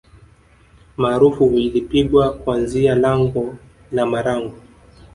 Maarufu ilipigwa kuanzia lango la marangu